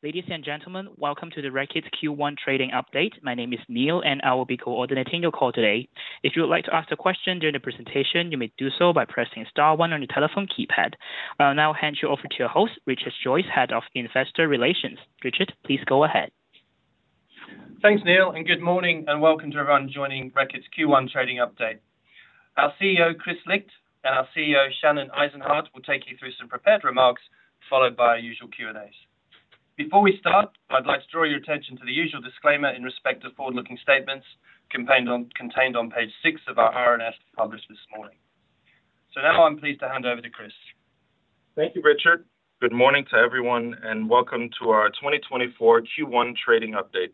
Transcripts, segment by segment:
Ladies and gentlemen, welcome to the Reckitt Q1 trading update. My name is Neil, and I will be coordinating your call today. If you would like to ask a question during the presentation, you may do so by pressing star one on your telephone keypad. I will now hand you over to your host, Richard Joyce, Head of Investor Relations. Richard, please go ahead. Thanks, Neil, and good morning and welcome to everyone joining Reckitt's Q1 Trading Update. Our CEO, Kris Licht, and our CFO, Shannon Eisenhardt, will take you through some prepared remarks followed by our usual Q&As. Before we start, I'd like to draw your attention to the usual disclaimer in respect of forward-looking statements contained on page six of our RNS published this morning. So now I'm pleased to hand over to Kris. Thank you, Richard. Good morning to everyone, and welcome to our 2024 Q1 trading update.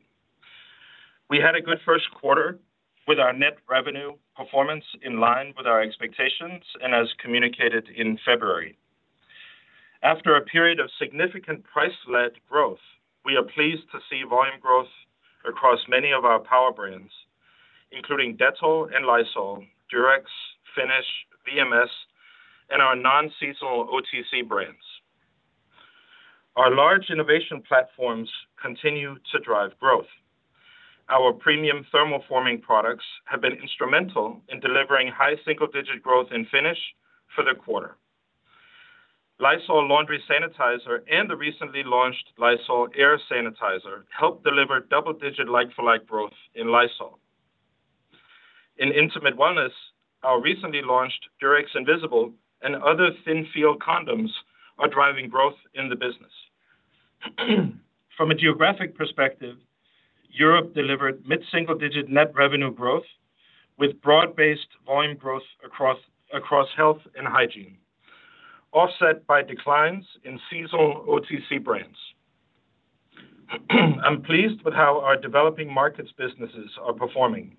We had a good first quarter with our net revenue performance in line with our expectations and as communicated in February. After a period of significant price-led growth, we are pleased to see volume growth across many of our power brands, including Dettol and Lysol, Durex, Finish, VMS, and our non-seasonal OTC brands. Our large innovation platforms continue to drive growth. Our premium thermoforming products have been instrumental in delivering high single-digit growth in Finish for the quarter. Lysol Laundry Sanitizer and the recently launched Lysol Air Sanitizer help deliver double-digit like-for-like growth in Lysol. In Intimate Wellness, our recently launched Durex Invisible and other Thin Feel condoms are driving growth in the business. From a geographic perspective, Europe delivered mid-single-digit net revenue growth with broad-based volume growth across health and hygiene, offset by declines in seasonal OTC brands. I'm pleased with how our developing markets businesses are performing.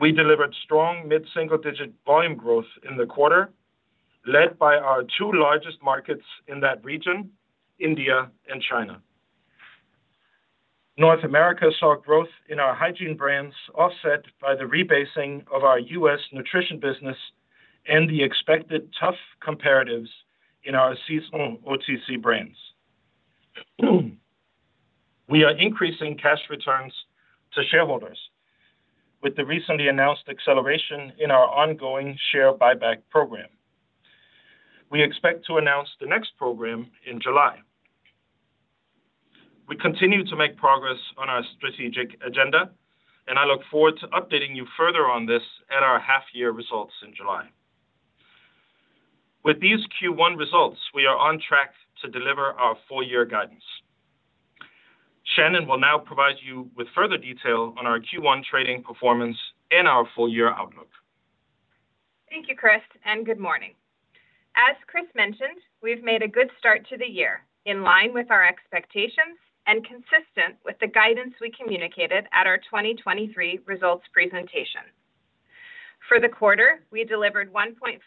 We delivered strong mid-single-digit volume growth in the quarter, led by our two largest markets in that region, India and China. North America saw growth in our hygiene brands, offset by the rebasing of our U.S. nutrition business and the expected tough comparatives in our seasonal OTC brands. We are increasing cash returns to shareholders with the recently announced acceleration in our ongoing share buyback program. We expect to announce the next program in July. We continue to make progress on our strategic agenda, and I look forward to updating you further on this at our half-year results in July. With these Q1 results, we are on track to deliver our full-year guidance. Shannon will now provide you with further detail on our Q1 trading performance and our full-year outlook. Thank you, Kris, and good morning. As Kris mentioned, we've made a good start to the year in line with our expectations and consistent with the guidance we communicated at our 2023 results presentation. For the quarter, we delivered 1.5%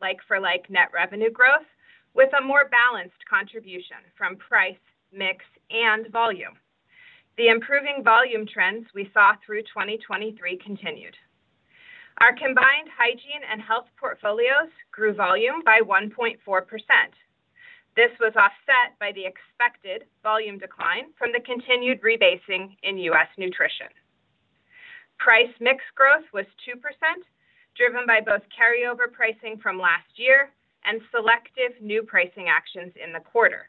like-for-like net revenue growth with a more balanced contribution from price, mix, and volume. The improving volume trends we saw through 2023 continued. Our combined hygiene and health portfolios grew volume by 1.4%. This was offset by the expected volume decline from the continued rebasing in U.S. nutrition. Price-mix growth was 2%, driven by both carryover pricing from last year and selective new pricing actions in the quarter.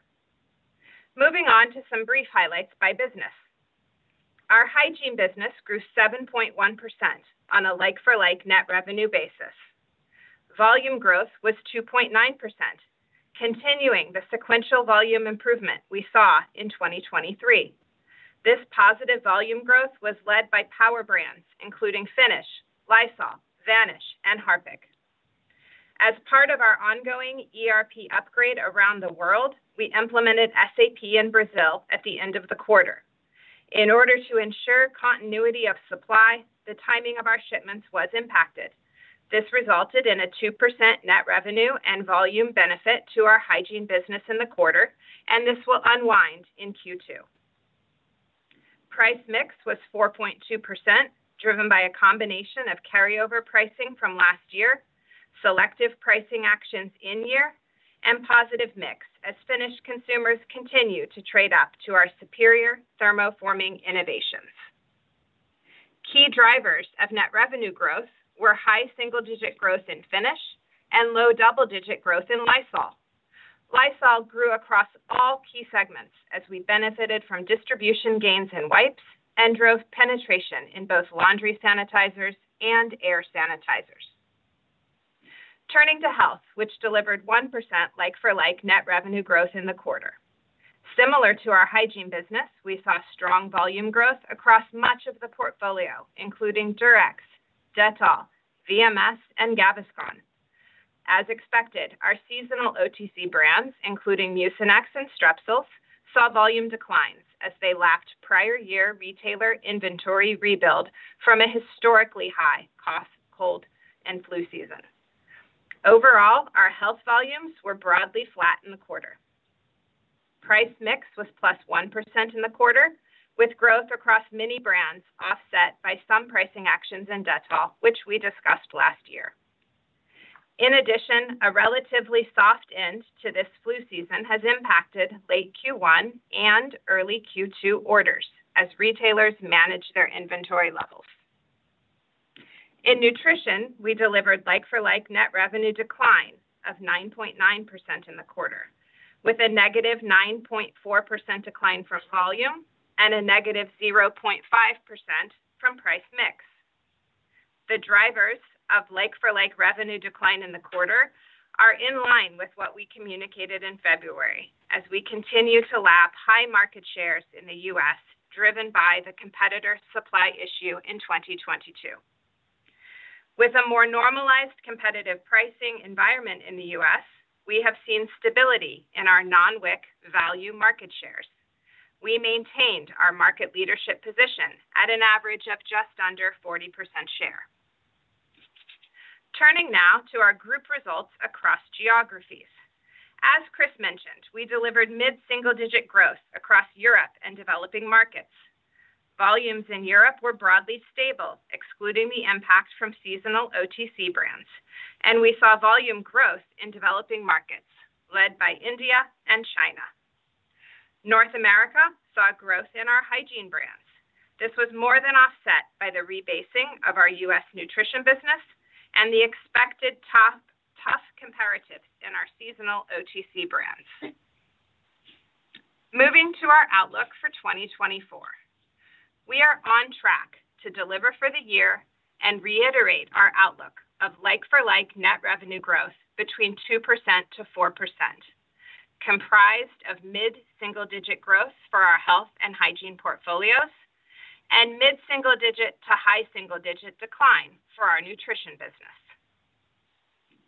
Moving on to some brief highlights by business. Our hygiene business grew 7.1% on a like-for-like net revenue basis. Volume growth was 2.9%, continuing the sequential volume improvement we saw in 2023. This positive volume growth was led by power brands, including Finish, Lysol, Vanish, and Harpic. As part of our ongoing ERP upgrade around the world, we implemented SAP in Brazil at the end of the quarter. In order to ensure continuity of supply, the timing of our shipments was impacted. This resulted in a 2% net revenue and volume benefit to our hygiene business in the quarter, and this will unwind in Q2. Price-mix was 4.2%, driven by a combination of carryover pricing from last year, selective pricing actions in-year, and positive mix as Finish consumers continue to trade up to our superior thermoforming innovations. Key drivers of net revenue growth were high single-digit growth in Finish and low double-digit growth in Lysol. Lysol grew across all key segments as we benefited from distribution gains in wipes and growth penetration in both laundry sanitizers and air sanitizers. Turning to health, which delivered 1% like-for-like net revenue growth in the quarter. Similar to our hygiene business, we saw strong volume growth across much of the portfolio, including Durex, Dettol, VMS, and Gaviscon. As expected, our seasonal OTC brands, including Mucinex and Strepsils, saw volume declines as they lacked prior-year retailer inventory rebuild from a historically high cough, cold, and flu season. Overall, our health volumes were broadly flat in the quarter. Price-mix was +1% in the quarter, with growth across many brands offset by some pricing actions in Dettol, which we discussed last year. In addition, a relatively soft end to this flu season has impacted late Q1 and early Q2 orders as retailers manage their inventory levels. In nutrition, we delivered like-for-like net revenue decline of 9.9% in the quarter, with a -9.4% decline from volume and a -0.5% from price mix. The drivers of like-for-like revenue decline in the quarter are in line with what we communicated in February as we continue to lap high market shares in the U.S., driven by the competitor supply issue in 2022. With a more normalized competitive pricing environment in the U.S., we have seen stability in our non-WIC value market shares. We maintained our market leadership position at an average of just under 40% share. Turning now to our group results across geographies. As Kris mentioned, we delivered mid-single-digit growth across Europe and developing markets. Volumes in Europe were broadly stable, excluding the impact from seasonal OTC brands, and we saw volume growth in developing markets, led by India and China. North America saw growth in our hygiene brands. This was more than offset by the rebasing of our U.S. nutrition business and the expected tough comparatives in our seasonal OTC brands. Moving to our outlook for 2024. We are on track to deliver for the year and reiterate our outlook of like-for-like net revenue growth between 2%-4%, comprised of mid-single-digit growth for our health and hygiene portfolios and mid-single-digit to high single-digit decline for our nutrition business.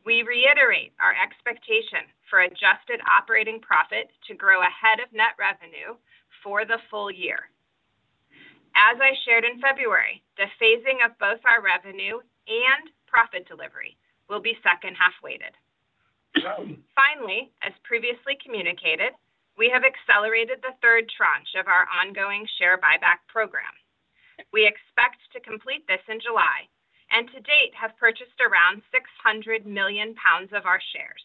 We reiterate our expectation for adjusted operating profit to grow ahead of net revenue for the full year. As I shared in February, the phasing of both our revenue and profit delivery will be second-half weighted. Finally, as previously communicated, we have accelerated the third tranche of our ongoing share buyback program. We expect to complete this in July and to date have purchased around 600 million pounds of our shares.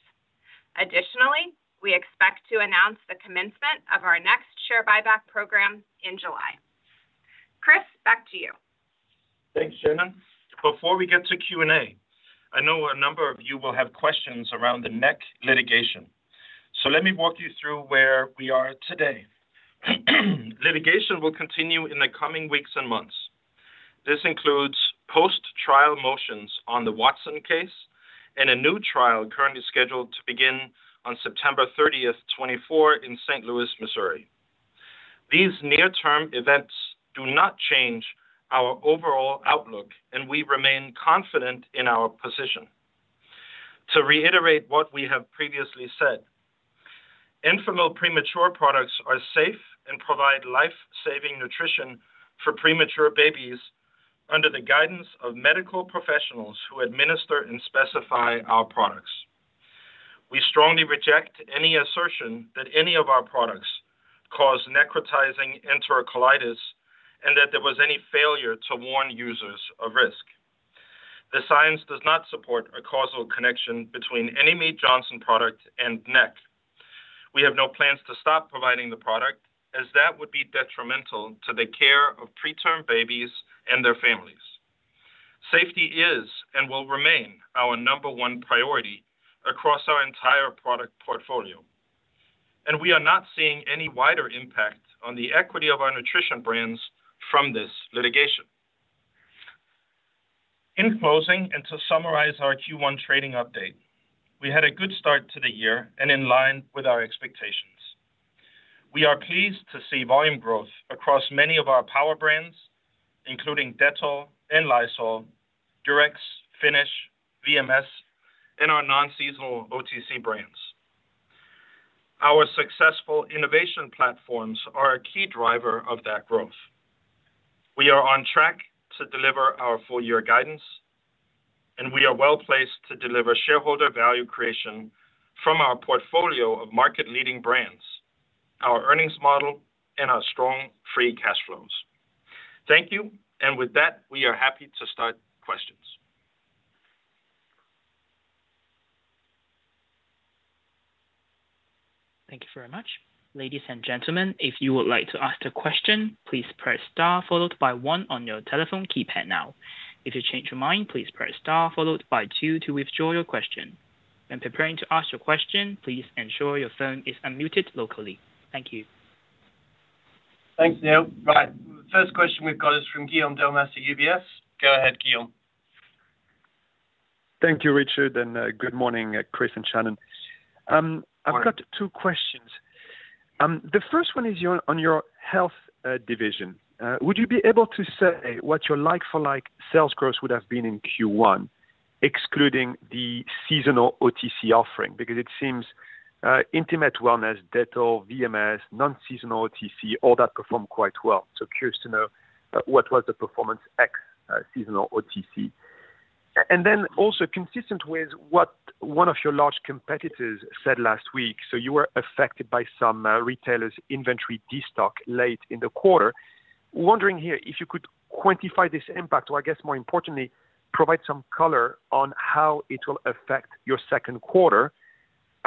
Additionally, we expect to announce the commencement of our next share buyback program in July. Kris, back to you. Thanks, Shannon. Before we get to Q&A, I know a number of you will have questions around the NEC litigation. So let me walk you through where we are today. Litigation will continue in the coming weeks and months. This includes post-trial motions on the Watson case and a new trial currently scheduled to begin on September 30th, 2024, in St. Louis, Missouri. These near-term events do not change our overall outlook, and we remain confident in our position. To reiterate what we have previously said, Enfamil premature products are safe and provide life-saving nutrition for premature babies under the guidance of medical professionals who administer and specify our products. We strongly reject any assertion that any of our products cause necrotizing enterocolitis and that there was any failure to warn users of risk. The science does not support a causal connection between any Mead Johnson product and NEC. We have no plans to stop providing the product, as that would be detrimental to the care of preterm babies and their families. Safety is and will remain our number one priority across our entire product portfolio. We are not seeing any wider impact on the equity of our nutrition brands from this litigation. In closing, and to summarize our Q1 trading update. We had a good start to the year and in line with our expectations. We are pleased to see volume growth across many of our power brands, including Dettol and Lysol, Durex, Finish, VMS, and our non-seasonal OTC brands. Our successful innovation platforms are a key driver of that growth. We are on track to deliver our full-year guidance, and we are well placed to deliver shareholder value creation from our portfolio of market-leading brands, our earnings model, and our strong free cash flows. Thank you, and with that, we are happy to start questions. Thank you very much. Ladies and gentlemen, if you would like to ask a question, please press star followed by one on your telephone keypad now. If you change your mind, please press star followed by two to withdraw your question. When preparing to ask your question, please ensure your phone is unmuted locally. Thank you. Thanks, Neil. Right. The first question we've got is from Guillaume Delmas at UBS. Go ahead, Guillaume. Thank you, Richard, and good morning, Kris and Shannon. I've got two questions. The first one is on your health division. Would you be able to say what your like-for-like sales growth would have been in Q1, excluding the seasonal OTC offering? Because it seems Intimate Wellness, Dettol, VMS, non-seasonal OTC, all that performed quite well. So curious to know what was the performance ex-seasonal OTC. And then also consistent with what one of your large competitors said last week. So you were affected by some retailers' inventory destock late in the quarter. Wondering here if you could quantify this impact or, I guess, more importantly, provide some color on how it will affect your second quarter.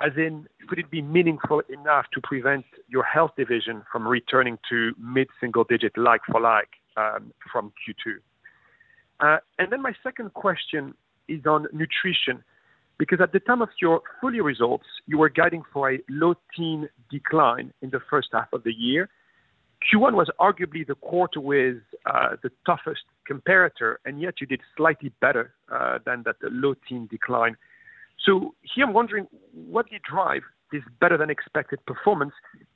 As in, could it be meaningful enough to prevent your health division from returning to mid-single-digit like-for-like from Q2? And then my second question is on nutrition. Because at the time of your full year results, you were guiding for a low-teens decline in the first half of the year. Q1 was arguably the quarter with the toughest comparator, and yet you did slightly better than that low-teens decline. So here I'm wondering, what did drive this better-than-expected performance,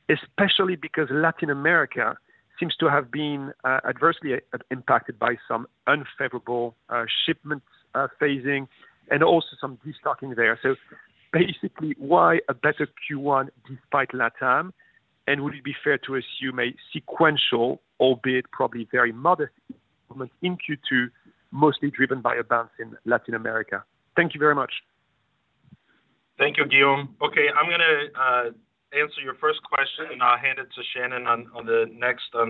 especially because Latin America seems to have been adversely impacted by some unfavorable shipment phasing and also some destocking there? So basically, why a better Q1 despite LATAM? And would it be fair to assume a sequential, albeit probably very modest increment in Q2, mostly driven by a bounce in Latin America? Thank you very much. Thank you, Guillaume. Okay, I'm going to answer your first question, and I'll hand it to Shannon on the next two.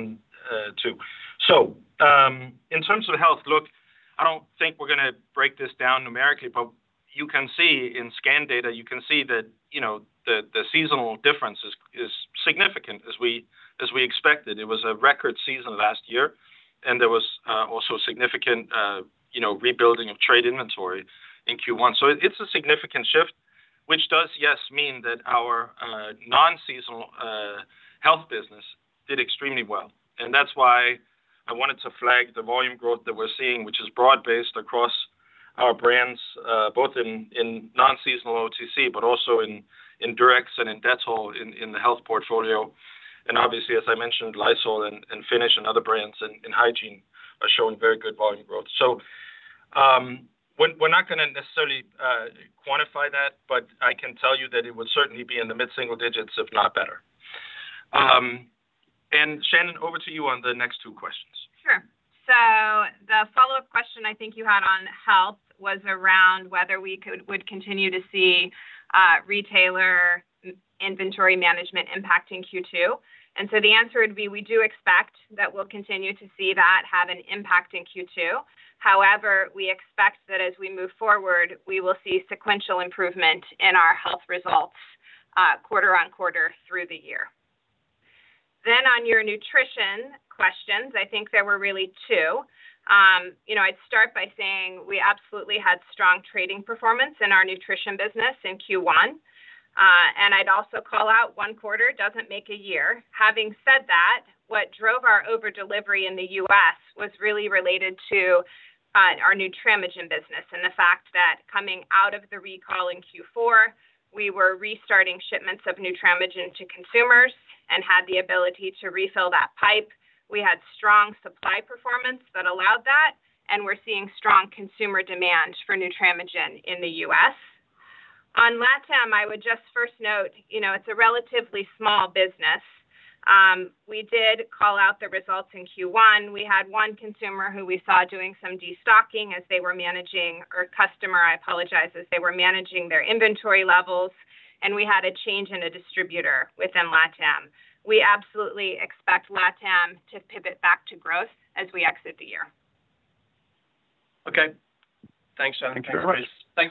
In terms of health, look, I don't think we're going to break this down numerically, but you can see in scan data, you can see that the seasonal difference is significant as we expected. It was a record season last year, and there was also significant rebuilding of trade inventory in Q1. It's a significant shift, which does, yes, mean that our non-seasonal health business did extremely well. That's why I wanted to flag the volume growth that we're seeing, which is broad-based across our brands, both in non-seasonal OTC, but also in Durex and in Dettol in the health portfolio. Obviously, as I mentioned, Lysol and Finish and other brands in hygiene are showing very good volume growth. We're not going to necessarily quantify that, but I can tell you that it would certainly be in the mid-single digits, if not better. Shannon, over to you on the next two questions. Sure. So the follow-up question I think you had on health was around whether we would continue to see retailer inventory management impacting Q2. And so the answer would be, we do expect that we'll continue to see that have an impact in Q2. However, we expect that as we move forward, we will see sequential improvement in our health results quarter-over-quarter through the year. Then on your nutrition questions, I think there were really two. I'd start by saying we absolutely had strong trading performance in our nutrition business in Q1. And I'd also call out one quarter doesn't make a year. Having said that, what drove our overdelivery in the U.S. was really related to our Nutramigen business and the fact that coming out of the recall in Q4, we were restarting shipments of Nutramigen to consumers and had the ability to refill that pipe. We had strong supply performance that allowed that, and we're seeing strong consumer demand for Nutramigen in the U.S. On LATAM, I would just first note, it's a relatively small business. We did call out the results in Q1. We had one consumer who we saw doing some destocking as they were managing or customer, I apologize, as they were managing their inventory levels, and we had a change in a distributor within LATAM. We absolutely expect LATAM to pivot back to growth as we exit the year. Okay. Thanks, Shannon. Thanks, Kris.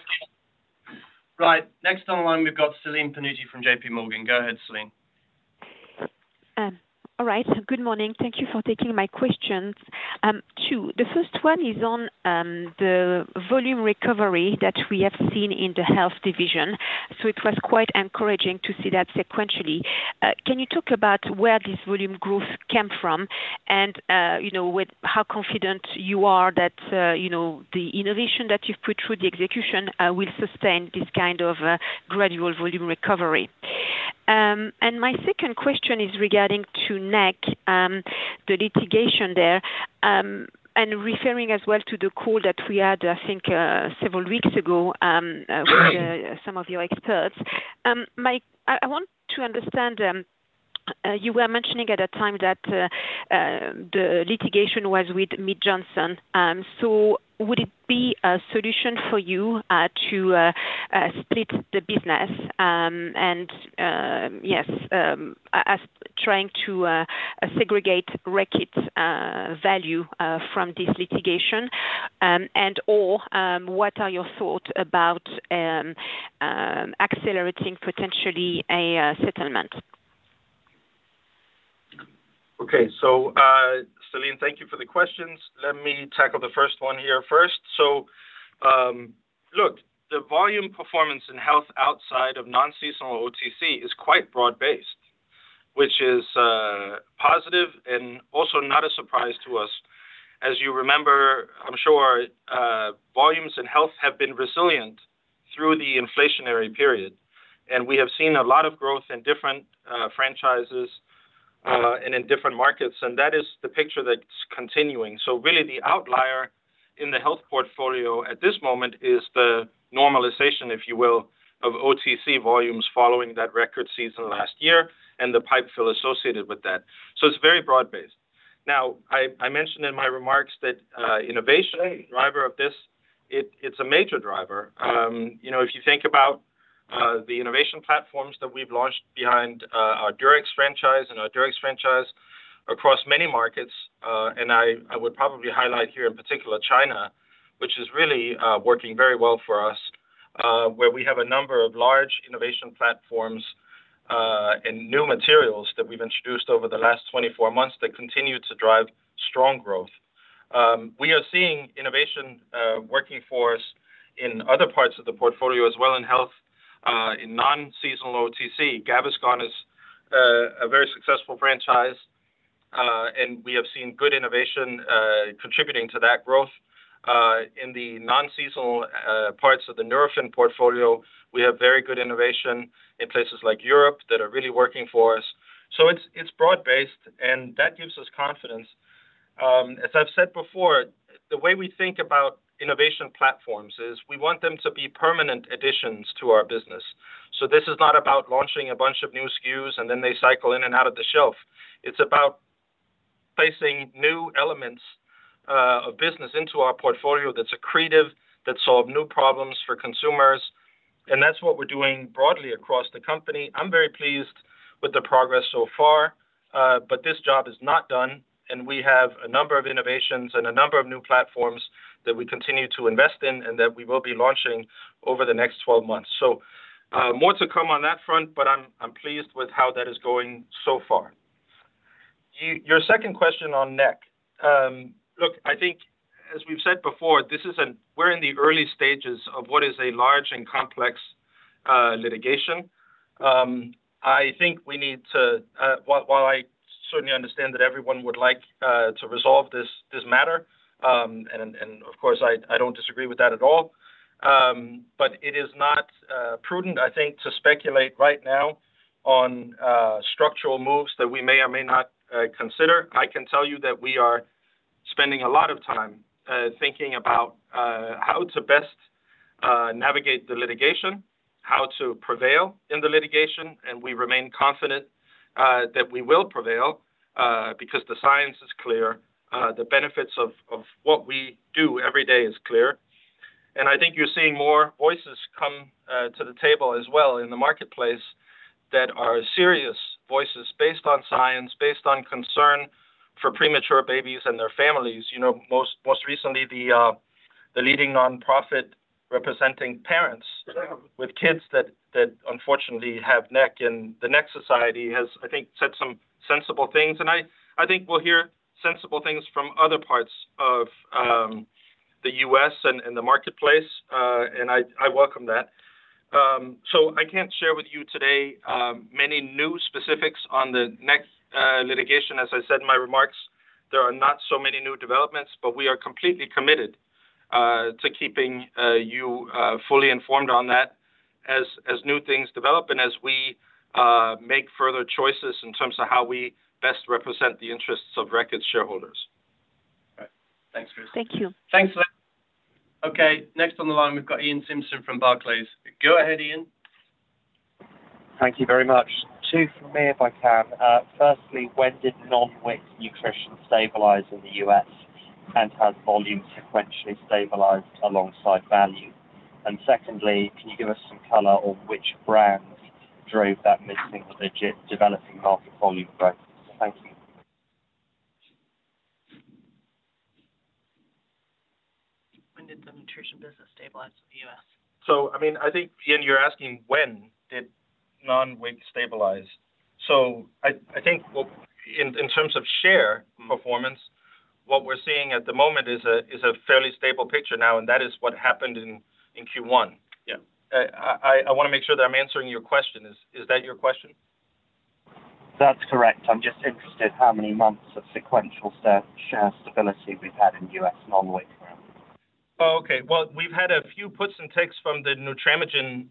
Right. Next on the line, we've got Celine Pannuti from JPMorgan. Go ahead, Celine. All right. Good morning. Thank you for taking my questions. Two, the first one is on the volume recovery that we have seen in the health division. So it was quite encouraging to see that sequentially. Can you talk about where this volume growth came from and how confident you are that the innovation that you've put through, the execution, will sustain this kind of gradual volume recovery? And my second question is regarding to NEC, the litigation there, and referring as well to the call that we had, I think, several weeks ago with some of your experts. I want to understand. You were mentioning at that time that the litigation was with Mead Johnson. So would it be a solution for you to split the business and, yes, trying to segregate Reckitt's value from this litigation? And/or what are your thoughts about accelerating potentially a settlement? Okay. So Celine, thank you for the questions. Let me tackle the first one here first. So look, the volume performance in health outside of non-seasonal OTC is quite broad-based, which is positive and also not a surprise to us. As you remember, I'm sure volumes in health have been resilient through the inflationary period, and we have seen a lot of growth in different franchises and in different markets. And that is the picture that's continuing. So really, the outlier in the health portfolio at this moment is the normalization, if you will, of OTC volumes following that record season last year and the pipe fill associated with that. So it's very broad-based. Now, I mentioned in my remarks that innovation, the driver of this, it's a major driver. If you think about the innovation platforms that we've launched behind our Durex franchise and our Durex franchise across many markets - and I would probably highlight here in particular China, which is really working very well for us - where we have a number of large innovation platforms and new materials that we've introduced over the last 24 months that continue to drive strong growth. We are seeing innovation working for us in other parts of the portfolio as well in health, in non-seasonal OTC. Gaviscon is a very successful franchise, and we have seen good innovation contributing to that growth. In the non-seasonal parts of the Nurofen portfolio, we have very good innovation in places like Europe that are really working for us. So it's broad-based, and that gives us confidence. As I've said before, the way we think about innovation platforms is we want them to be permanent additions to our business. So this is not about launching a bunch of new SKUs and then they cycle in and out of the shelf. It's about placing new elements of business into our portfolio that's accretive, that solve new problems for consumers. And that's what we're doing broadly across the company. I'm very pleased with the progress so far, but this job is not done. And we have a number of innovations and a number of new platforms that we continue to invest in and that we will be launching over the next 12 months. So more to come on that front, but I'm pleased with how that is going so far. Your second question on NEC. Look, I think, as we've said before, we're in the early stages of what is a large and complex litigation. I think we need to, while I certainly understand that everyone would like to resolve this matter, and of course, I don't disagree with that at all, but it is not prudent, I think, to speculate right now on structural moves that we may or may not consider. I can tell you that we are spending a lot of time thinking about how to best navigate the litigation, how to prevail in the litigation. And we remain confident that we will prevail because the science is clear. The benefits of what we do every day is clear. And I think you're seeing more voices come to the table as well in the marketplace that are serious voices based on science, based on concern for premature babies and their families. Most recently, the leading nonprofit representing parents with kids that unfortunately have NEC in the NEC Society has, I think, said some sensible things. And I think we'll hear sensible things from other parts of the U.S. and the marketplace, and I welcome that. So I can't share with you today many new specifics on the NEC litigation. As I said in my remarks, there are not so many new developments, but we are completely committed to keeping you fully informed on that as new things develop and as we make further choices in terms of how we best represent the interests of Reckitt's shareholders. All right. Thanks, Kris. Thank you. Thanks, Celine. Okay. Next on the line, we've got Iain Simpson from Barclays. Go ahead, Ian. Thank you very much. Two from me, if I can. Firstly, when did non-WIC nutrition stabilize in the U.S. and has volume sequentially stabilized alongside value? And secondly, can you give us some color on which brands drove that mid-single-digit developing market volume growth? Thank you. When did the nutrition business stabilize in the U.S.? I mean, I think, Iain, you're asking when did non-WIC stabilize. I think, well, in terms of share performance, what we're seeing at the moment is a fairly stable picture now, and that is what happened in Q1. I want to make sure that I'm answering your question. Is that your question? That's correct. I'm just interested how many months of sequential share stability we've had in U.S. non-WIC brands. Oh, okay. Well, we've had a few puts and takes from the Nutramigen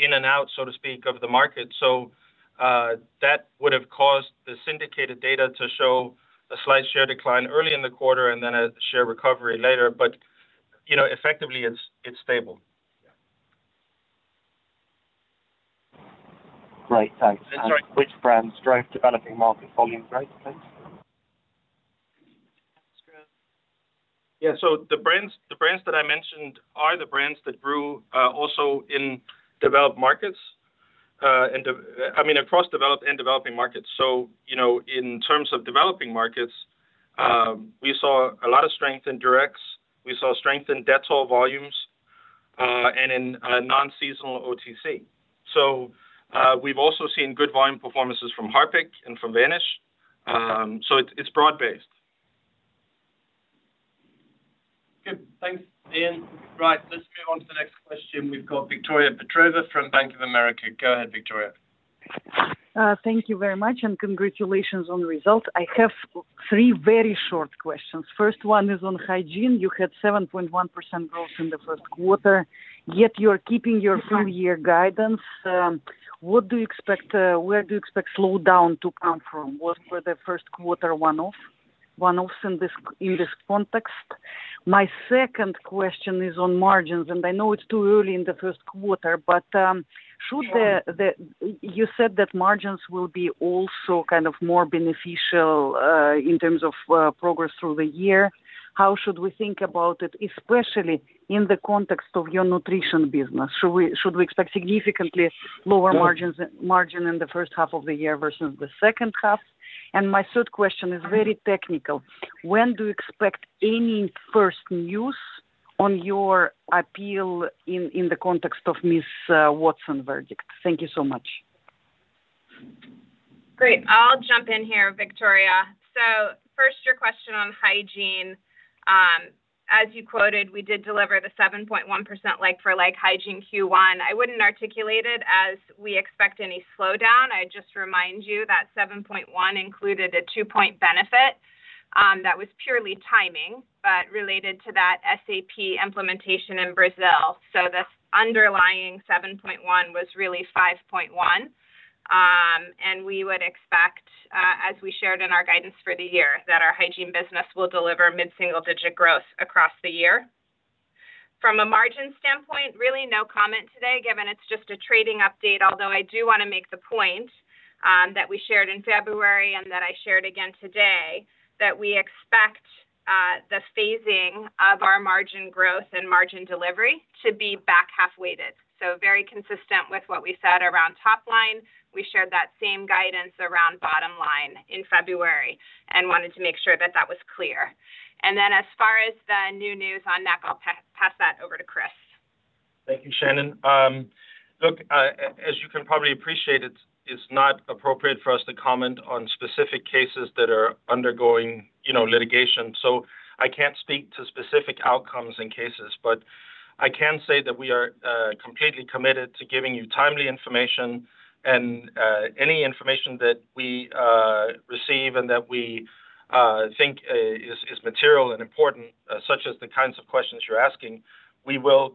in and out, so to speak, of the market. So that would have caused the syndicated data to show a slight share decline early in the quarter and then a share recovery later. But effectively, it's stable. Great. Thanks. Which brands drove developing market volume growth, please? Yeah. So the brands that I mentioned are the brands that grew also in developed markets and I mean, across developed and developing markets. So in terms of developing markets, we saw a lot of strength in Durex. We saw strength in Dettol volumes and in non-seasonal OTC. So we've also seen good volume performances from Harpic and from Vanish. So it's broad-based. Good. Thanks, Ian. Right. Let's move on to the next question. We've got Viktoria Petrova from Bank of America. Go ahead, Victoria. Thank you very much and congratulations on the result. I have three very short questions. First one is on hygiene. You had 7.1% growth in the first quarter, yet you're keeping your full-year guidance. Where do you expect slowdown to come from? Was the first quarter one-offs in this context? My second question is on margins, and I know it's too early in the first quarter, but as you said that margins will be also kind of more beneficial in terms of progress through the year. How should we think about it, especially in the context of your nutrition business? Should we expect significantly lower margin in the first half of the year versus the second half? And my third question is very technical. When do you expect any first news on your appeal in the context of Ms. Watson verdict? Thank you so much. Great. I'll jump in here, Viktoria. So first, your question on hygiene. As you quoted, we did deliver the 7.1% like-for-like hygiene Q1. I wouldn't articulate it as we expect any slowdown. I'd just remind you that 7.1% included a two-point benefit that was purely timing but related to that SAP implementation in Brazil. So the underlying 7.1% was really 5.1%. And we would expect, as we shared in our guidance for the year, that our hygiene business will deliver mid-single-digit growth across the year. From a margin standpoint, really no comment today given it's just a trading update, although I do want to make the point that we shared in February and that I shared again today that we expect the phasing of our margin growth and margin delivery to be back-half weighted. Very consistent with what we said around top line, we shared that same guidance around bottom line in February and wanted to make sure that that was clear. Then as far as the new news on NEC, I'll pass that over to Kris. Thank you, Shannon. Look, as you can probably appreciate, it's not appropriate for us to comment on specific cases that are undergoing litigation. So I can't speak to specific outcomes and cases, but I can say that we are completely committed to giving you timely information. And any information that we receive and that we think is material and important, such as the kinds of questions you're asking, we will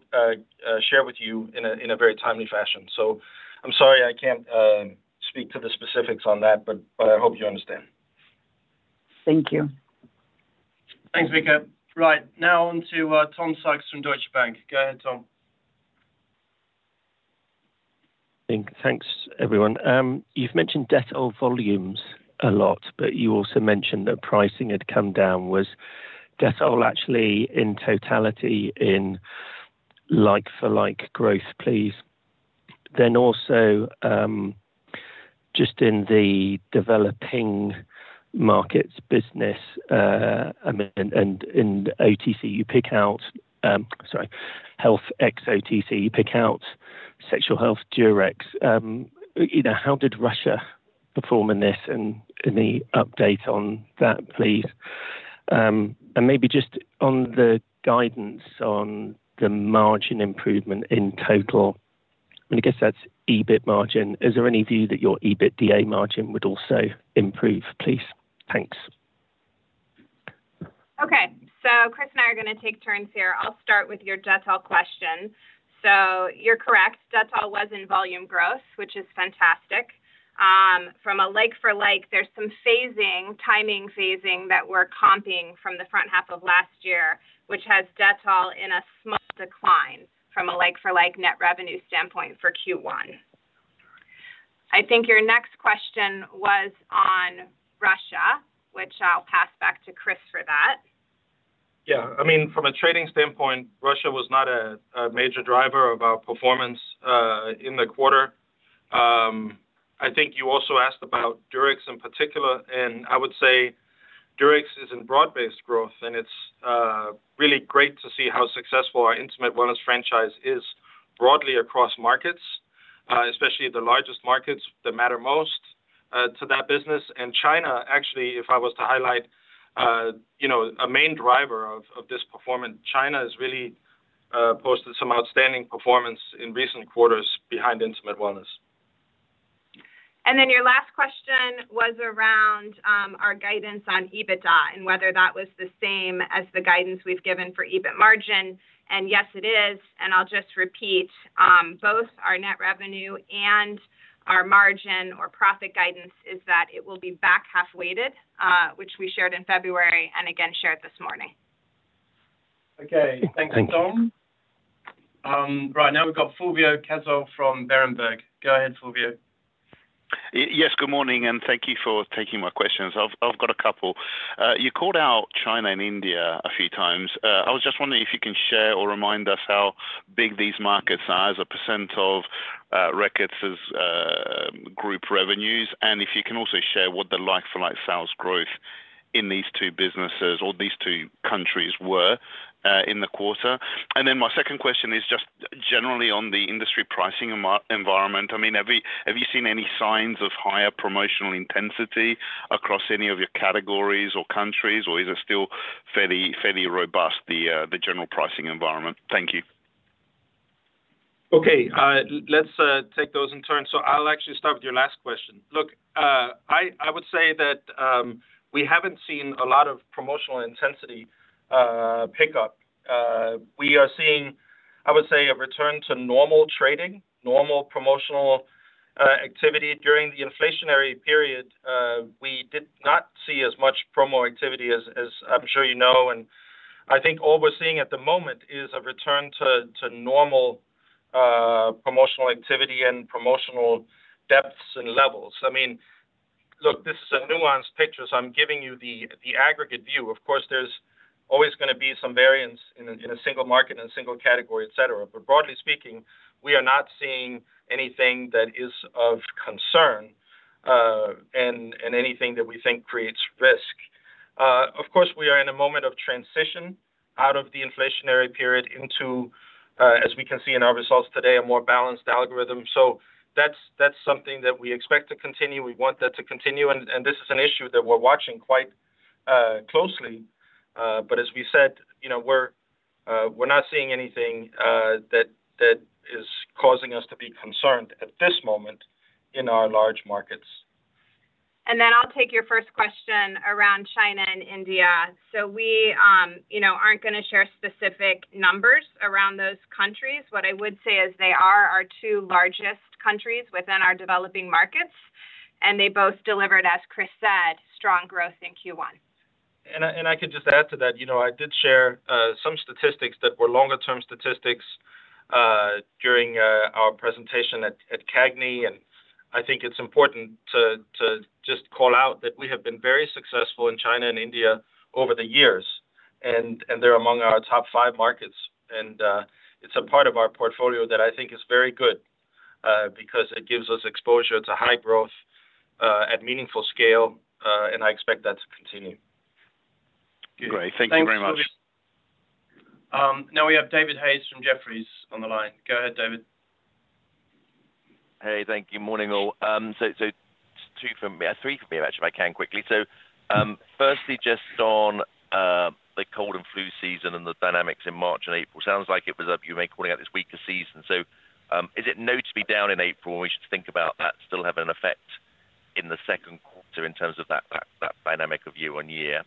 share with you in a very timely fashion. So I'm sorry I can't speak to the specifics on that, but I hope you understand. Thank you. Thanks, Victoria. Right. Now onto Tom Sykes from Deutsche Bank. Go ahead, Tom. Thanks, everyone. You've mentioned Dettol volumes a lot, but you also mentioned that pricing had come down. Was Dettol actually, in totality, in like-for-like growth, please? Then also just in the developing markets business and OTC, you pick out sorry, Health ex-OTC, you pick out Sexual Health Durex. How did Russia perform in this? And any update on that, please? And maybe just on the guidance on the margin improvement in total. And I guess that's EBIT margin. Is there any view that your EBITDA margin would also improve, please? Thanks. Okay. So Kris and I are going to take turns here. I'll start with your Dettol question. So you're correct. Dettol was in volume growth, which is fantastic. From a like-for-like, there's some phasing, timing phasing that we're comping from the front half of last year, which has Dettol in a small decline from a like-for-like net revenue standpoint for Q1. I think your next question was on Russia, which I'll pass back to Kris for that. Yeah. I mean, from a trading standpoint, Russia was not a major driver of our performance in the quarter. I think you also asked about Durex in particular. And I would say Durex is in broad-based growth, and it's really great to see how successful our Intimate Wellness franchise is broadly across markets, especially the largest markets that matter most to that business. And China, actually, if I was to highlight a main driver of this performance, China has really posted some outstanding performance in recent quarters behind Intimate Wellness. Then your last question was around our guidance on EBITDA and whether that was the same as the guidance we've given for EBIT margin. Yes, it is. I'll just repeat, both our net revenue and our margin or profit guidance is that it will be back-half weighted, which we shared in February and again shared this morning. Okay. Thanks, Tom. Right. Now we've got Fulvio Cazzol from Berenberg. Go ahead, Fulvio. Yes. Good morning, and thank you for taking my questions. I've got a couple. You called out China and India a few times. I was just wondering if you can share or remind us how big these markets are, as a percentage of Reckitt's group revenues, and if you can also share what the like-for-like sales growth in these two businesses or these two countries were in the quarter. And then my second question is just generally on the industry pricing environment. I mean, have you seen any signs of higher promotional intensity across any of your categories or countries, or is it still fairly robust, the general pricing environment? Thank you. Okay. Let's take those in turn. So I'll actually start with your last question. Look, I would say that we haven't seen a lot of promotional intensity pick up. We are seeing, I would say, a return to normal trading, normal promotional activity. During the inflationary period, we did not see as much promo activity as I'm sure you know. And I think all we're seeing at the moment is a return to normal promotional activity and promotional depths and levels. I mean, look, this is a nuanced picture, so I'm giving you the aggregate view. Of course, there's always going to be some variance in a single market and a single category, etc. But broadly speaking, we are not seeing anything that is of concern and anything that we think creates risk. Of course, we are in a moment of transition out of the inflationary period into, as we can see in our results today, a more balanced algorithm. So that's something that we expect to continue. We want that to continue. And this is an issue that we're watching quite closely. But as we said, we're not seeing anything that is causing us to be concerned at this moment in our large markets. Then I'll take your first question around China and India. We aren't going to share specific numbers around those countries. What I would say is they are our two largest countries within our developing markets, and they both delivered, as Kris said, strong growth in Q1. I could just add to that. I did share some statistics that were longer-term statistics during our presentation at CAGNY. I think it's important to just call out that we have been very successful in China and India over the years, and they're among our top five markets. It's a part of our portfolio that I think is very good because it gives us exposure to high growth at meaningful scale, and I expect that to continue. Great. Now we have David Hayes from Jefferies on the line. Go ahead, David. Hey. Thank you. Morning, all. So two from me, three from me, actually, if I can quickly. So firstly, just on the cold and flu season and the dynamics in March and April, sounds like it was you may be calling out this weakest season. So is it known to be down in April, and we should think about that still having an effect in the second quarter in terms of that dynamic of year-on-year?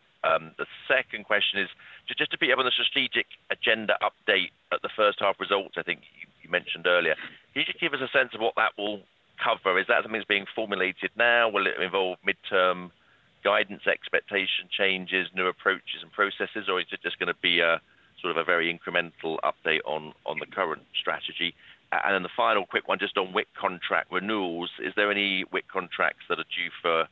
The second question is just to pick up on the strategic agenda update at the first half results, I think you mentioned earlier. Can you just give us a sense of what that will cover? Is that something that's being formulated now? Will it involve midterm guidance, expectation changes, new approaches and processes, or is it just going to be sort of a very incremental update on the current strategy? And then the final quick one, just on WIC contract renewals, is there any WIC contracts that are due for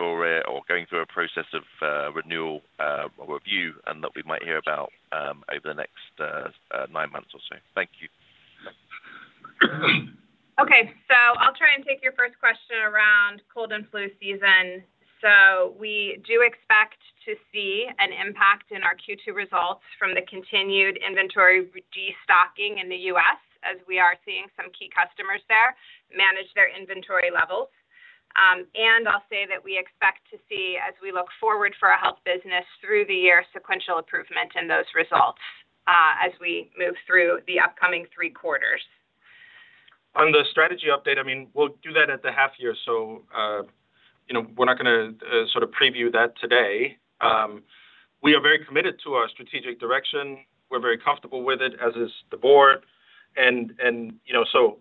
or going through a process of renewal or review and that we might hear about over the next nine months or so? Thank you. Okay. I'll try and take your first question around cold and flu season. We do expect to see an impact in our Q2 results from the continued inventory restocking in the U.S. as we are seeing some key customers there manage their inventory levels. I'll say that we expect to see, as we look forward for a health business through the year, sequential improvement in those results as we move through the upcoming three quarters. On the strategy update, I mean, we'll do that at the half-year. So we're not going to sort of preview that today. We are very committed to our strategic direction. We're very comfortable with it, as is the board. And so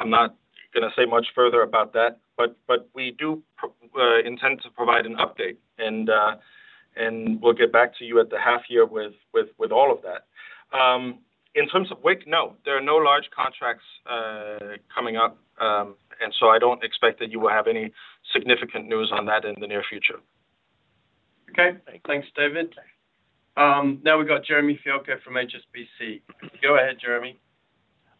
I'm not going to say much further about that. But we do intend to provide an update, and we'll get back to you at the half-year with all of that. In terms of WIC, no, there are no large contracts coming up. And so I don't expect that you will have any significant news on that in the near future. Okay. Thanks, David. Now we've got Jeremy Fialko from HSBC. Go ahead, Jeremy.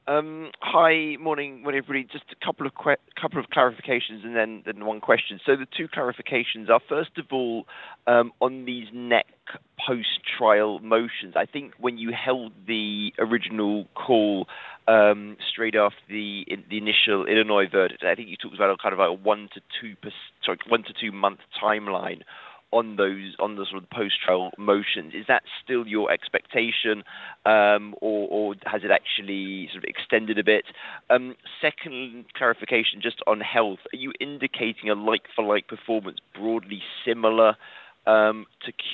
Hi. Morning, everybody. Just a couple of clarifications and then one question. So the two clarifications are, first of all, on these NEC post-trial motions. I think when you held the original call straight after the initial Illinois verdict, I think you talked about kind of a one to two sorry, one to two month timeline on the sort of post-trial motions. Is that still your expectation, or has it actually sort of extended a bit? Second clarification just on health, are you indicating a like-for-like performance broadly similar to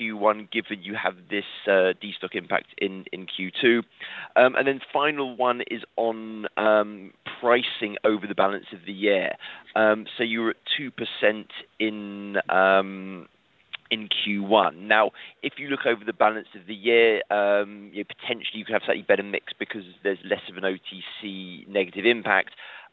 Q1 given you have this destock impact in Q2? And then final one is on pricing over the balance of the year. So you were at 2% in Q1. Now, if you look over the balance of the year, potentially, you could have slightly better mix because there's less of an OTC negative impact.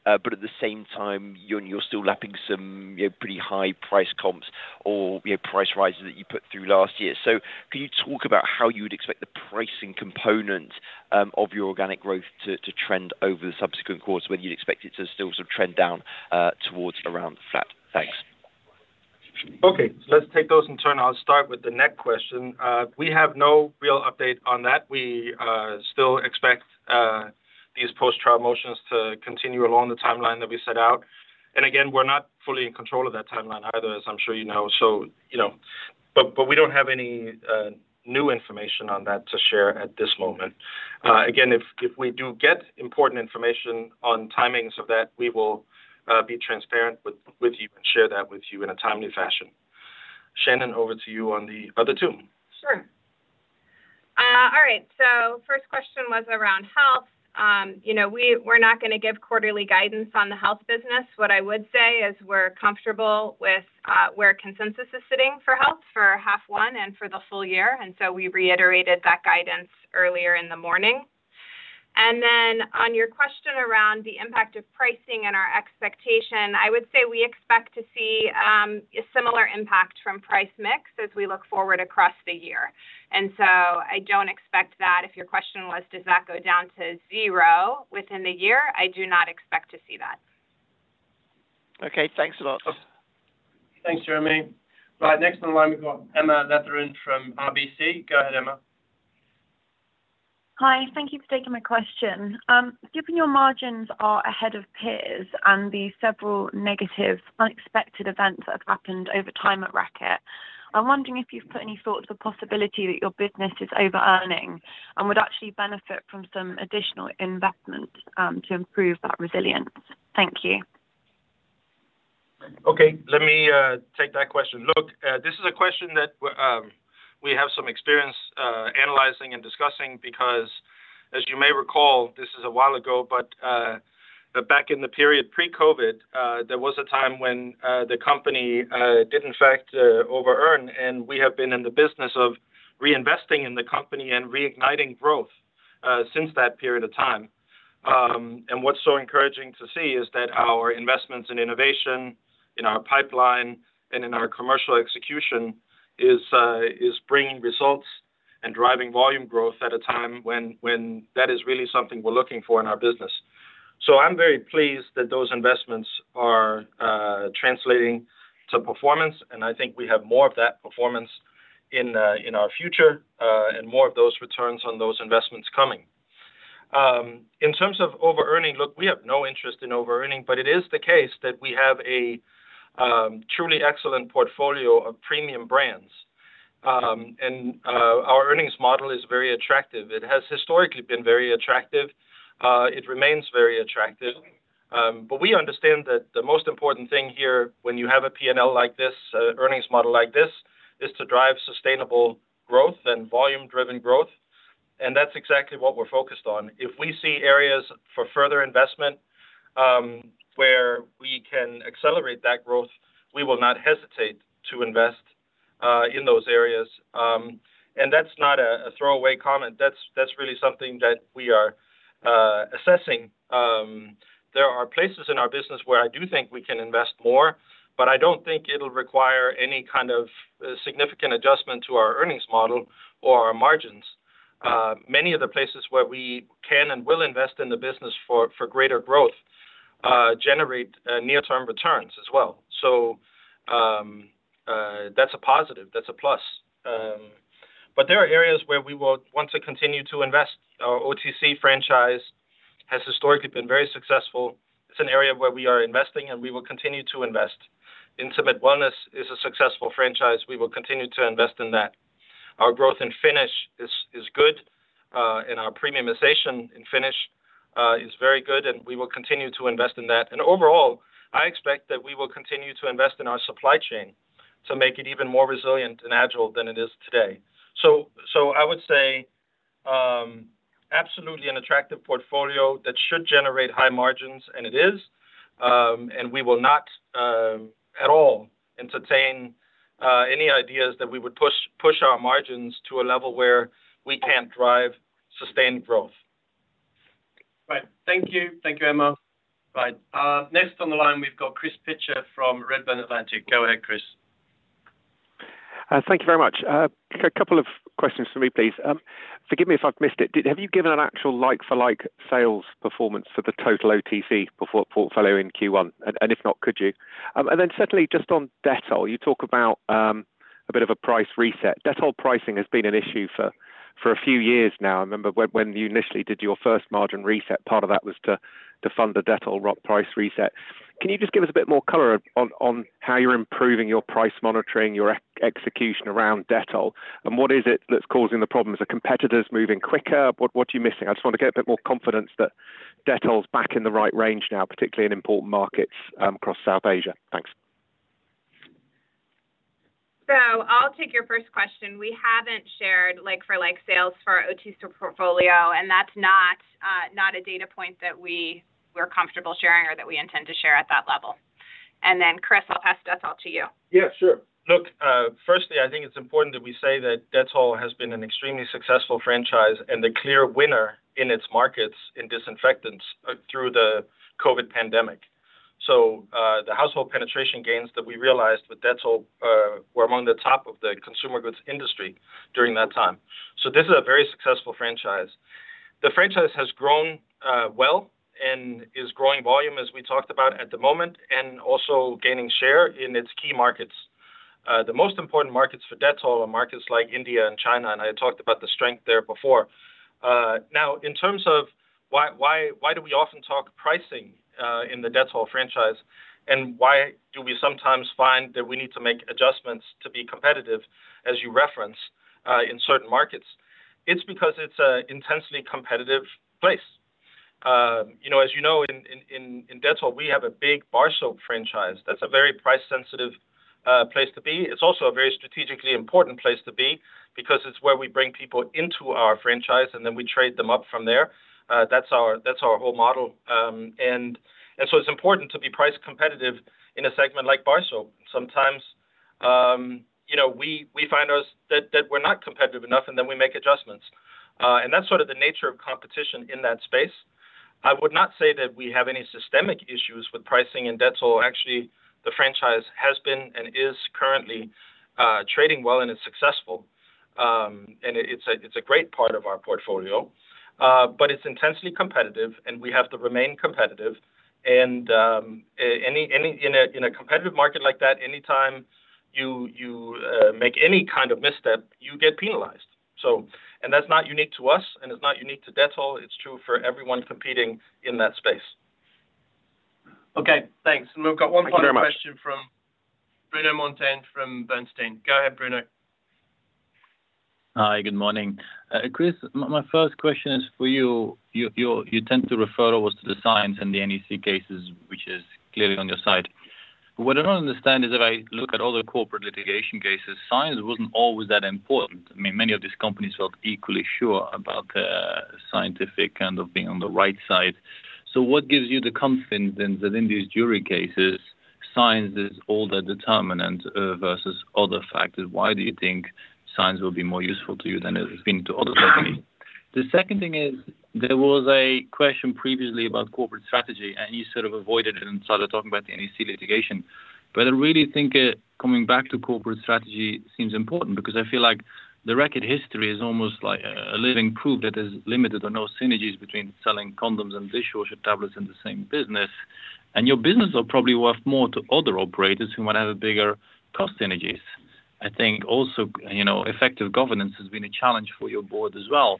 At the same time, you're still lapping some pretty high price comps or price rises that you put through last year. Can you talk about how you would expect the pricing component of your organic growth to trend over the subsequent quarters, whether you'd expect it to still sort of trend down towards around the flat? Thanks. Okay. So let's take those in turn. I'll start with the NEC question. We have no real update on that. We still expect these post-trial motions to continue along the timeline that we set out. And again, we're not fully in control of that timeline either, as I'm sure you know. But we don't have any new information on that to share at this moment. Again, if we do get important information on timings of that, we will be transparent with you and share that with you in a timely fashion. Shannon, over to you on the other two. Sure. All right. So first question was around health. We're not going to give quarterly guidance on the health business. What I would say is we're comfortable with where consensus is sitting for health for half-one and for the full year. And so we reiterated that guidance earlier in the morning. And then on your question around the impact of pricing and our expectation, I would say we expect to see a similar impact from price mix as we look forward across the year. And so I don't expect that. If your question was, "Does that go down to zero within the year?" I do not expect to see that. Okay. Thanks a lot. Thanks, Jeremy. Right. Next on the line, we've got Emma Letheren from RBC. Go ahead, Emma. Hi. Thank you for taking my question. Given your margins are ahead of peers and the several negative, unexpected events that have happened over time at Reckitt, I'm wondering if you've put any thoughts on the possibility that your business is over-earning and would actually benefit from some additional investment to improve that resilience. Thank you. Okay. Let me take that question. Look, this is a question that we have some experience analyzing and discussing because, as you may recall, this is a while ago, but back in the period pre-COVID, there was a time when the company did, in fact, over-earn. And we have been in the business of reinvesting in the company and reigniting growth since that period of time. And what's so encouraging to see is that our investments in innovation, in our pipeline, and in our commercial execution is bringing results and driving volume growth at a time when that is really something we're looking for in our business. So I'm very pleased that those investments are translating to performance. And I think we have more of that performance in our future and more of those returns on those investments coming. In terms of over-earning, look, we have no interest in over-earning, but it is the case that we have a truly excellent portfolio of premium brands. And our earnings model is very attractive. It has historically been very attractive. It remains very attractive. But we understand that the most important thing here when you have a P&L like this, earnings model like this, is to drive sustainable growth and volume-driven growth. And that's exactly what we're focused on. If we see areas for further investment where we can accelerate that growth, we will not hesitate to invest in those areas. And that's not a throwaway comment. That's really something that we are assessing. There are places in our business where I do think we can invest more, but I don't think it'll require any kind of significant adjustment to our earnings model or our margins. Many of the places where we can and will invest in the business for greater growth generate near-term returns as well. So that's a positive. That's a plus. But there are areas where we will want to continue to invest. Our OTC franchise has historically been very successful. It's an area where we are investing, and we will continue to invest. Intimate Wellness is a successful franchise. We will continue to invest in that. Our growth in Finish is good, and our premiumization in Finish is very good, and we will continue to invest in that. And overall, I expect that we will continue to invest in our supply chain to make it even more resilient and agile than it is today. So I would say absolutely an attractive portfolio that should generate high margins, and it is. We will not at all entertain any ideas that we would push our margins to a level where we can't drive sustained growth. Right. Thank you. Thank you, Emma. Right. Next on the line, we've got Chris Pitcher from Redburn Atlantic. Go ahead, Chris. Thank you very much. A couple of questions from me, please. Forgive me if I've missed it. Have you given an actual like-for-like sales performance for the total OTC portfolio in Q1? And if not, could you? And then certainly, just on Dettol, you talk about a bit of a price reset. Dettol pricing has been an issue for a few years now. I remember when you initially did your first margin reset, part of that was to fund a Dettol price reset. Can you just give us a bit more color on how you're improving your price monitoring, your execution around Dettol, and what is it that's causing the problems? Are competitors moving quicker? What are you missing? I just want to get a bit more confidence that Dettol's back in the right range now, particularly in important markets across South Asia. Thanks. I'll take your first question. We haven't shared forecasts for our OTC portfolio, and that's not a data point that we're comfortable sharing or that we intend to share at that level. Then, Kris, I'll pass Dettol to you. Yeah. Sure. Look, firstly, I think it's important that we say that Dettol has been an extremely successful franchise and the clear winner in its markets in disinfectants through the COVID pandemic. So the household penetration gains that we realized with Dettol were among the top of the consumer goods industry during that time. So this is a very successful franchise. The franchise has grown well and is growing volume, as we talked about, at the moment and also gaining share in its key markets. The most important markets for Dettol are markets like India and China, and I had talked about the strength there before. Now, in terms of why do we often talk pricing in the Dettol franchise and why do we sometimes find that we need to make adjustments to be competitive, as you referenced, in certain markets? It's because it's an intensely competitive place. As you know, in Dettol, we have a big bar soap franchise. That's a very price-sensitive place to be. It's also a very strategically important place to be because it's where we bring people into our franchise, and then we trade them up from there. That's our whole model. And so it's important to be price-competitive in a segment like bar soap. Sometimes we find that we're not competitive enough, and then we make adjustments. And that's sort of the nature of competition in that space. I would not say that we have any systemic issues with pricing in Dettol. Actually, the franchise has been and is currently trading well, and it's successful. And it's a great part of our portfolio. But it's intensely competitive, and we have to remain competitive. And in a competitive market like that, anytime you make any kind of misstep, you get penalized. And that's not unique to us, and it's not unique to Dettol. It's true for everyone competing in that space. Okay. Thanks. And we've got one final question from Bruno Monteyne from Bernstein. Go ahead, Bruno. Hi. Good morning. Kris, my first question is for you. You tend to refer always to the science and the NEC cases, which is clearly on your side. But what I don't understand is if I look at other corporate litigation cases, science wasn't always that important. I mean, many of these companies felt equally sure about the scientific kind of being on the right side. So what gives you the confidence that in these jury cases, science is all the determinant versus other factors? Why do you think science will be more useful to you than it has been to other companies? The second thing is there was a question previously about corporate strategy, and you sort of avoided it and started talking about the NEC litigation. But I really think coming back to corporate strategy seems important because I feel like the Reckitt history is almost like a living proof that there's limited or no synergies between selling condoms and dishwasher tablets in the same business. Your business are probably worth more to other operators who might have bigger cost synergies. I think also, effective governance has been a challenge for your board as well.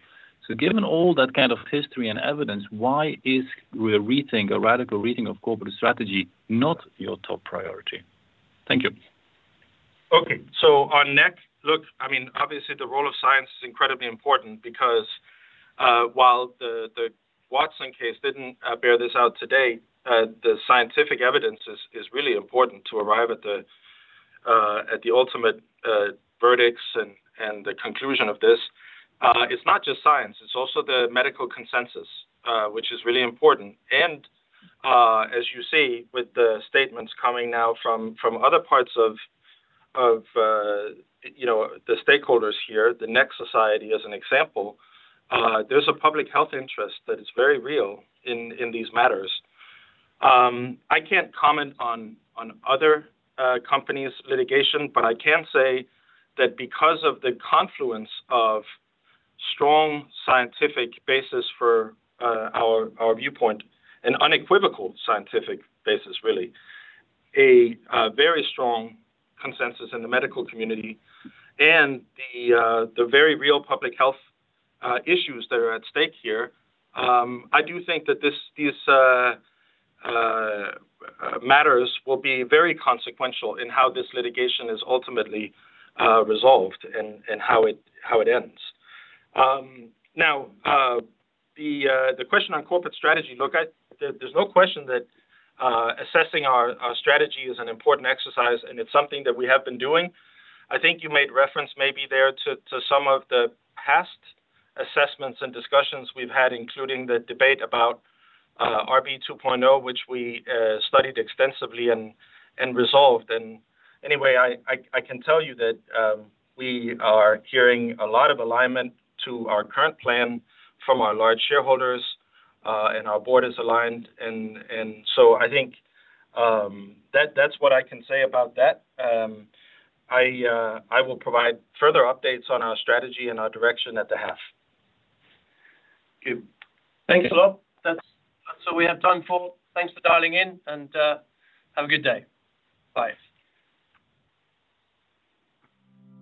Given all that kind of history and evidence, why is a radical rethink of corporate strategy not your top priority? Thank you. Okay. So on NEC, look, I mean, obviously, the role of science is incredibly important because while the Watson case didn't bear this out today, the scientific evidence is really important to arrive at the ultimate verdicts and the conclusion of this. It's not just science. It's also the medical consensus, which is really important. And as you see with the statements coming now from other parts of the stakeholders here, the NEC Society as an example, there's a public health interest that is very real in these matters. I can't comment on other companies' litigation, but I can say that because of the confluence of strong scientific basis for our viewpoint, an unequivocal scientific basis, really, a very strong consensus in the medical community, and the very real public health issues that are at stake here, I do think that these matters will be very consequential in how this litigation is ultimately resolved and how it ends. Now, the question on corporate strategy, look, there's no question that assessing our strategy is an important exercise, and it's something that we have been doing. I think you made reference maybe there to some of the past assessments and discussions we've had, including the debate about RB 2.0, which we studied extensively and resolved. And anyway, I can tell you that we are hearing a lot of alignment to our current plan from our large shareholders, and our board is aligned. And so I think that's what I can say about that. I will provide further updates on our strategy and our direction at the half. Good. Thanks a lot. That's all we have time for. Thanks for dialing in, and have a good day. Bye.